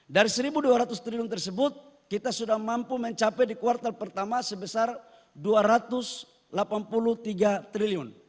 dari rp satu dua ratus triliun tersebut kita sudah mampu mencapai di kuartal pertama sebesar rp dua ratus delapan puluh tiga triliun